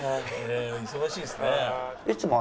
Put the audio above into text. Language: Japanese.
忙しいんですね。